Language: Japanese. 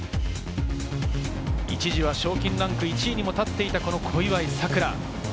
一時は賞金ランキング１位に立っていた小祝さくら。